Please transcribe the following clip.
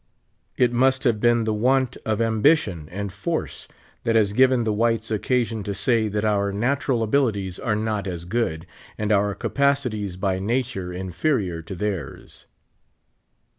It must have been the want of ambition and force that has given the wliites occasion to say that our natural abilities are not as good, and our capacities by nature in ferior to theirs.